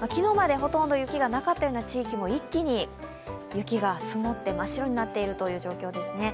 昨日までほとんど雪がなかったような地域も一気に雪が積もって、まっ白になっている状況ですね。